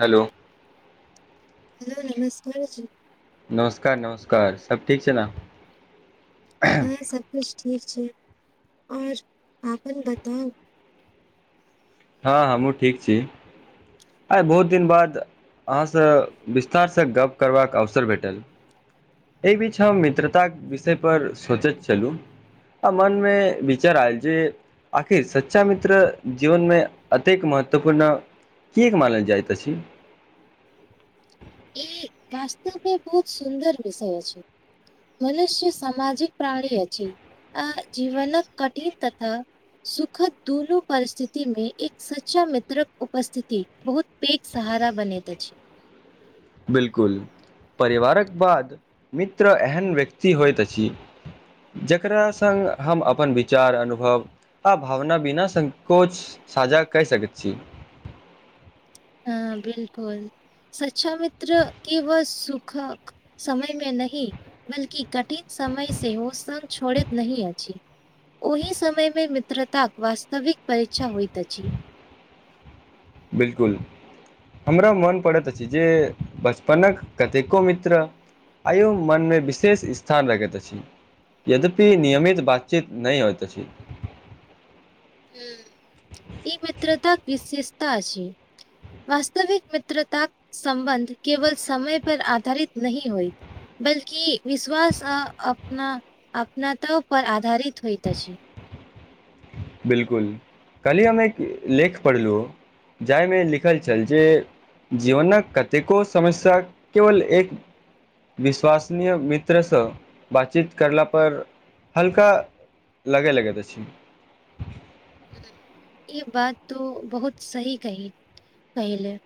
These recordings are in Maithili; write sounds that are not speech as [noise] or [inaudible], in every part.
हेलो हेलो नमस्कार जी नमस्कार नमस्कार सब ठीक छै न हँ सब किछु ठीक छै ओर अपन बताउ हँ हमहुँ ठीक छी आइ बहुत दिन बाद अहाँसँ विस्तारसँ गप करबाक अवसर भेटल एहि बीच हम मित्रताक विषयपर सोचैत छलहुँ आ मनमे विचार आयल जे आखिर सच्चा मित्र जीवनमे अतेक महत्वपूर्ण कक मानल जाइत अछि ई वास्तवमे बहुत सुन्दर विषय अछि मनुष्य सामजिक प्राणी अछि आ जीवन कठिन तथा सुखद दुनू परिस्थिति मे एक सच्चा मित्रक उपस्थिति बहुत पेट सहारा बनेैत अछि बिलकुल परिवारक बाद मित्र एहन व्यक्ति होइत अछि जकरा सगं हम अपन विचार अनुभव आ भावना बिना संकोच साझा कहि सकैत छी हँ बिलकुल सच्चा मित्र के ब सुखक समय मे न बल्कि कठिन समय से ओ स छोड़ैत नहि अछि ओहि समयमे मित्रताक वास्तविक परीक्षा होइत अछि बिलकुल हमरा मोन पड़ैत अछि जे बचपनक कतेको मित्र आइयो मनमे विशेष स्थान रखैत अछि यद्यपि नियमित बातचीत नहि होइत अछि ह ई मित्रतााक विशेषता अछि वास्तविक मित्रतााक सम्बन्ध केवल समय पर आधारित नहि होइ बल्कि विश्वास अपना अपनातो पर आधारित होइत अछि बिलकुल कहली हम एक लेख पढ़लहुँ जाहिमे लिखल छल जे जीवनक कतेको समस्या केवल एक विश्वसनीय मित्रसँ बातचीत कयलापर हल्का लगै लगैत तऽ छी ई बात तो बहुत सही कही कहहि ले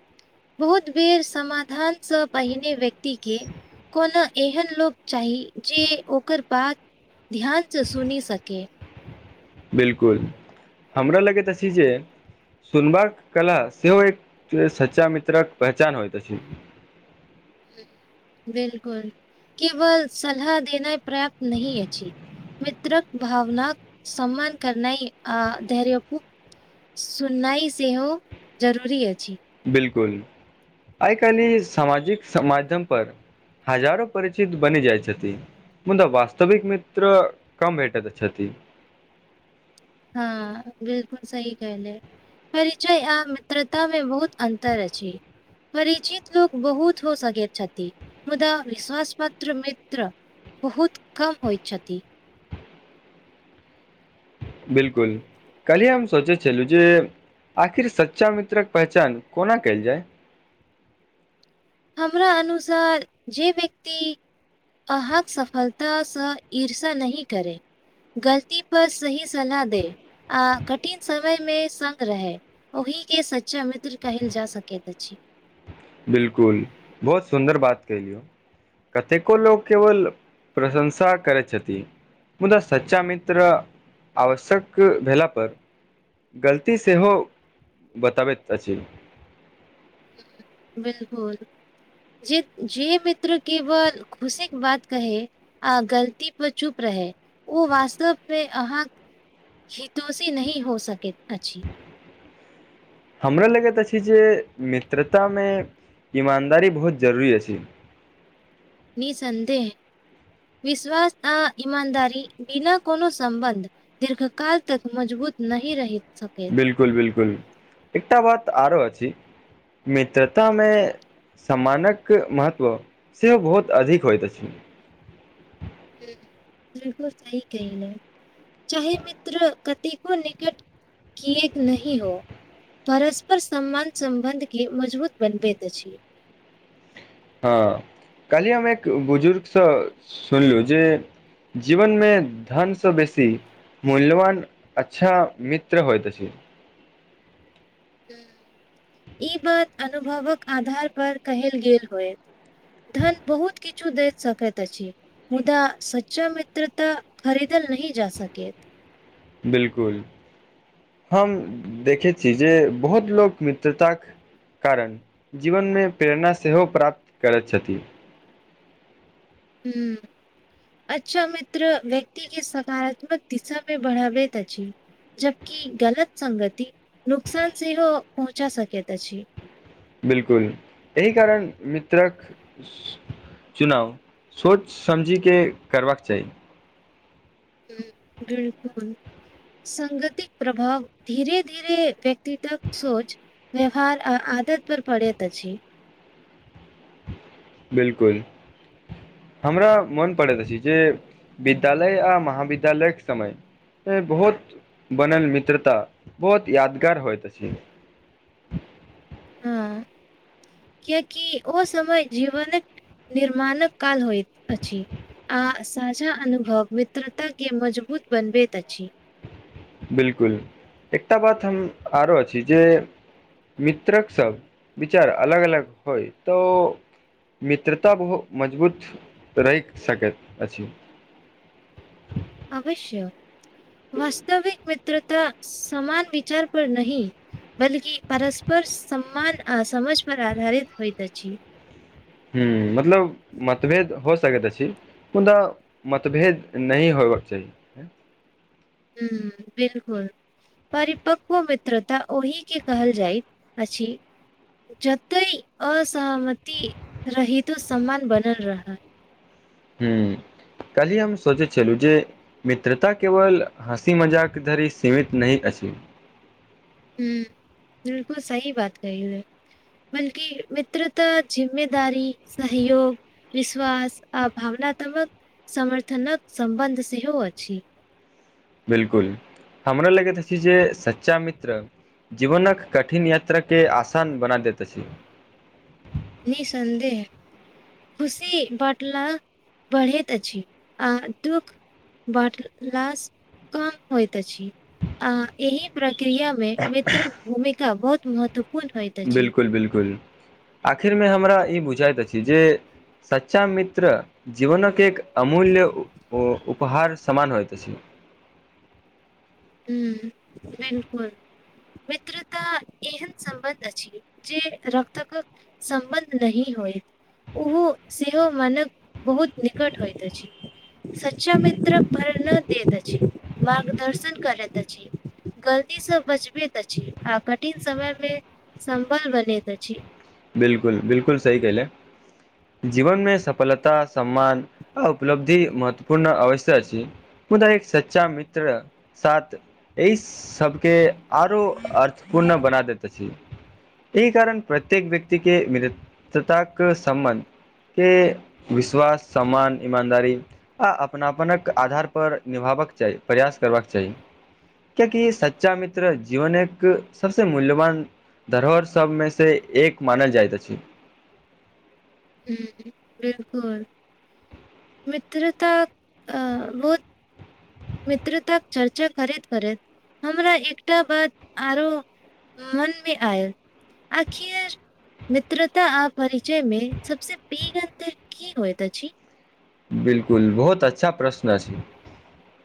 बहुत बेर समाधानसँ पहिने व्यक्तिके कोनो एहन लोक चाही जे ओकर बाद ध्यान सँ सुनी सकै बिलकुल हमरा लगैत अछि जे सुनबाक कला सेहो एक सच्चा मित्रक पहचान होइत अछि बिलकुल केवल सलाह देना पर्याप्त नहि अछि मित्रक भावनाक सम्मान करनाई आ धैर्यपूर्ण सुननाइ सेहो जरूरी अछि बिलकुल आइ काल्हि ई सामाजिक स माजम पर हजारो परिचित बनि जाइ छथि मुदाऽ वस्तविक मित्र कम भेटत छथि हँ बिलकुल सही कहलए परिचय आ मित्रता में बहुत अन्तर अछि परिचित लोक बहुत हो सकैत छथि मुदा विश्वास पात्र मित्र बहुत कम होइ छथि बिलकुल काली हम सोचे छल्लू जे आखिर सच्चा मित्रक पहचान कोना कयल जाय हमरा अनुसार जे व्यक्ति अहाँक सफलतासँ ईर्ष्या नहि करै गलती पर सही सलाह दे आ कठिन समय मे संग रहे ओहि के सच्चा मित्र कहल जा सकेैत अछी बिलकुल बहुत सुन्दर बात कहिये कतेको लोक केवल प्रशंसा करैत छथि मुदा सच्चा मित्र आवश्यक भेला पर गलती सेहो बताबैत अछि बिल्कुल जे जे मित्र केवल खुशी के बात कहे आ गलती पर चुप रहै ओ वास्तवमें अहाँ हितोषी नहि हो सकैत अछी हमरा लगैत अछि जे मित्रता में ईमानदारी बहुत जरूरी अछि निःसंदेह विश्वास आ इमानदारी बिना कोनो सम्बन्ध दीर्घ काल तक मजबूत नइ रही बिलकुल बिलकुल एकटा बात आरो अछि मित्रता में सम्मानक महत्व सेहो बहुत अधिक होइत अछि बिलकुल सही कहेया चाहे मित्र कतेको निकट कियेक नहि हो परस्पर सम्मान सम्बन्ध के मजबूत बनबैत अछि हँ कल्हि हम एक बुजुर्गसँ सुनलु जे जीवन में धनसँ बेसी मूल्यवान अच्छा मित्र होइत अछि ई बात अनुभवक आधार पर कहल गेल होय धन बहुत किछु दैत सकैत अछि मुदा सच्चा मित्रता खरीदल नहि जा सकैत बिलकुल हम देखै छी जे बहुत लोक मित्रता क कारण जीवनमे प्रेरणा सेहो प्राप्त करैत छथि हूँ अच्छा मित्र व्यक्ति के सकारात्मक दिशा में बढ़ावैत अछि जबकि गलत सगति नुकसान सेहो पहुँचा सकैत अछि बिल्कुल एहि कारण मित्रक चुनाव सोच समइझ के करबाक चाही हं हुं बिल्कुल सागतिक प्रभाव धीरे धीरे व्यक्त्तिक सोच व्यवहार आ आदत पर पड़त अछि बिल्कुल हमरा मोन पड़ैत अछि जे विद्यालय आ महाविद्यालयके समय बहुत बनल मित्रता बहुत यादगार होइत कियकि ओ समय जीवनक निर्माणक काल होइत अछि आ साझा अनुभव मित्रताके मजबूत बनबैत अछि बिल्कुल एकटा बात हम आरो अछि जे मित्रक सब विचार अलग अलग होइ तो मित्रता बहुत मजबूत रहि सकै अछि अवश्य वास्तविक मित्रता सामन विचार पर नहीं बल्कि परस्पर सम्मान आ समझ पर आधारित होइ अछि हं मतलब मतभेद हो सकेत अछी मुदा मतभेद नै होबाक चाही हं बिल्कुल परिपक्व मित्रता ओहिके कहल जाइत अछि जते असहमति रहितो सम्मान बनल रहइआ हं कल्हि हम सोचैत छलहुं जे मित्रता केवल हँसी मजाक धरि सीमित नै अछि ही बिल्कुल सही बात कहि ले बल्कि मित्रता जिम्मेदारी सहयोग विश्वास आ भावनात्मक समर्थनक सम्बन्ध सेहो अछि बिल्कुल हमरा लगै अछि जे सच्चा मित्र जीवन क कठिन यत्रा के आसान बना दै अछि निसंधेह खुशी बटला बढ़ैत अछि आ दुःख बाँटलास कम होइत अछि आ एहि प्रक्रिया में मित्र भूमिका बहुत महत्वपूर्ण होइत अछि बिलकुल बिलकुल आखिर मे हमरा ई बुझात अछि जे सच्चा मित्र जीवनक एक अमूल्य उपहार समान होयत अछि। हू रेनकुल मित्रता एहन सम्बन्ध अछि जे रक्तक संबन्ध नहि होइत ओहो सेहो मानक बहुत निकट होइत अछि सच्चा मित्र प्रेरणादेैत अछि मार्गदर्शन करैत अछि गलतीसँ बजबैत अछि आ कठिन समय मे संबल बनैत अछि बिलकुल बिलकुल सही कह ले जीवन मे सफलता सम्मान आ उपलब्धि महत्वपूर्ण अवश्य अछि मुदा एक सच्चा मित्र साथ एहि सभके आरो अर्थपूर्ण बना दैते अछी एहि कारण प्रत्येक व्यक्ति के मित्रतता के सम्बन्ध के विश्वास सम्मान ईमानदारी आ अपना पनक आधार पर निभाबबाक चाही प्रयास कर बाकचाही क्या कि सच्चा मित्र जीवन एक सबस मूल्यवान धरोहर सबमे से एक मानल जाइत अछि ह बिलकुल मित्रता अ बहुत [inaudible] मित्रताक चर्चा करैत करैत हमरा एकटा बात आरो मन में आयल आखिर मित्रता आ परिचय में सबसँ पैघंत की होइत अछि बिलकुल बहुत अच्छा प्रश्न अछि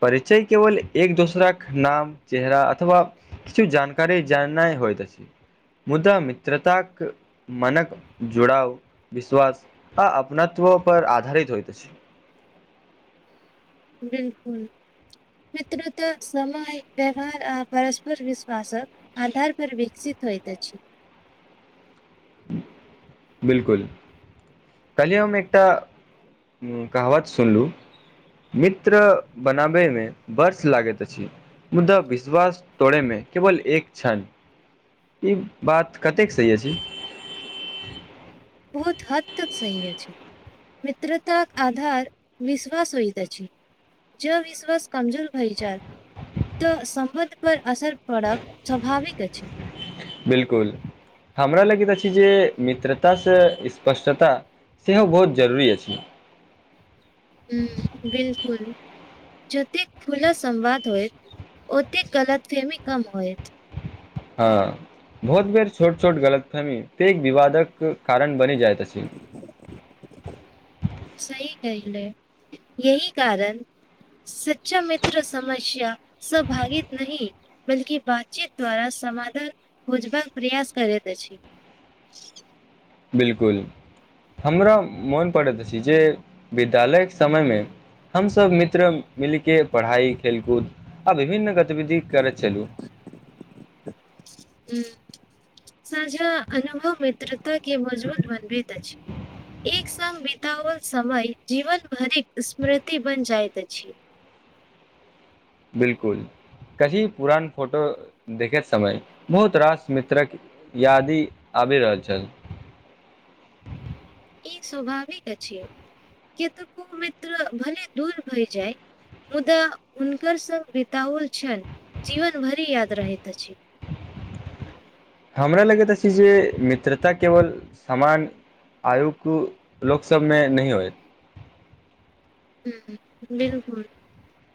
परिचय केवल एक दोसरा कऽ नाम चेहरा अथवा किछु जानकारी जन्नाई होइत अछी मुदा मित्रताक मनक जोड़ाव विश्वास आ अपनात्व पर आधारित होइत अछि बिलकुल पितृत्व समय व्यवहार आ परस्पर विश्वास ह आधार पर विकसित होइत अछि बिल्कुल काल्हि हम एकटा हूँ कहावत सुनलूँ मित्र बनाबै में वर्ष लागैत अछि मुदा विश्वास तोड़े मे केवल एक छन ई बात कतेक सही अछि बहुत हद तक सही अछि मित्रताक आधार विश्वास होईत अछि ज विश्वास कमजोर भइ जाय तऽ सम्बन्ध पर असर पड़ब स्वाभाविक अछि बिलकुल हमरा लगैत अछि जे मित्रता सँ स्पष्टता सेहो बहुत जरूरी अछि ह बिलकुल जतेक खुला संवाद होयत ओतेक गलत फेमी कम होयत हँ बहुत बेर छोट छोट गलतफेमी पेघ विवादक कारण बनि जाइत अछि [inaudible] सही कहलै यहीं कारण सच्चा मित्र समस्या से भागित नहि बल्कि बातचीत द्वारा समाधान खोजबाक प्रयास करैत अछि बिल्कुल हमरा मोन पड़ैत अछि जे विद्यालय के समय मे हमसभ मित्र मिल के पढ़ाइ खेलकूद आ विभिन्न गतिविधि करैत छलहुँ [inaudible] हूँ साझा अनुभव मित्रता के मजबूत बनबैत अछि एक साल बितावाल समय जीवन भरिक स्मृति बन जाइत अछि बिलकुल कही पुरान फोटो देखैत समय बहुत रास मित्रक यादी आबि रहल छल ई स्वभाविक अछि के तऽ को मित्र भले दूर भइ जाइ मुदा हुनकर संग बताउल छनि जीवन भरि याद रहैत अछि हमरा लगैत अछि जे मित्रता केवल सामान आयुकु लोक सब में नहि होय हूँ बिलकुल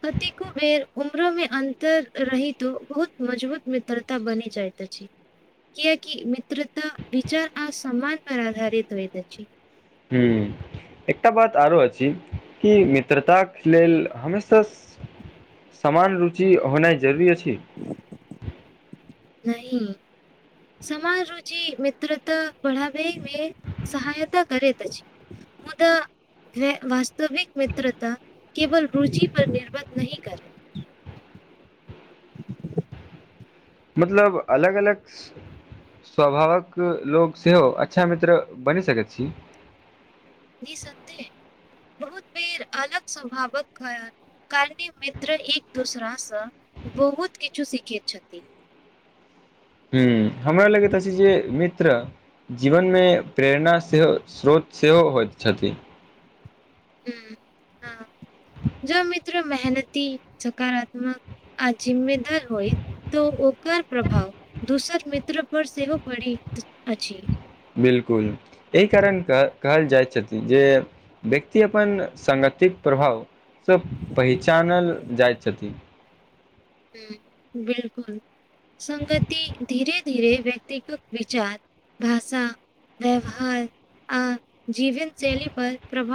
कतेको बेर उम्रो में अंतर रही तो बहुत मजबूत म मितरता बनी जाइ त अछि कियक मित्रता विचार आ सम्मान पर आधारित होइत अछै हूँ एकटा बात आरो अछि कि मित्रता के लेल हमेशा समान रुचि होनाइ जरुरी अछि ह [inaudible] नहि समान रुचि मित्र तऽ बढ़ाबे मे सहायता करेएत अछि मुदा वास्तविक मित्रता केवल रुचि पर निर्भर नहीं करे मतलब अलग अलग सभक लोक सेहो अच्छा मित्र बनि सकैत छी निसन्देह बहुत बेर अलग स्वभावक खयाल कारनी मित्र एक दूसरा सँ बहुत किछु सीखैत छथि ह हमरा लगैत अछि जे मित्र जीवन मे प्रेरणा सेहो स्रोत सेहो होइत छथि हू हँ जो मित्र मेहनती सकारात्मक आ जिम्मेदार होइत तऽ ओकर प्रभाव दोसर मित्र पर सेहो पड़ित अछि बिल्कुल एहि कारण कह कहल जाइत छथि जे व्यक्ति अपन संगतिक प्रभाव सभ पहिचानल जाइत छथि ह बिलकुल संगति धीरे धीरे व्यक्तिगत विचार भाषा व्यवहार आ जीवन शैली पर प्रभाव